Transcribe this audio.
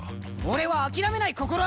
俺は諦めない心！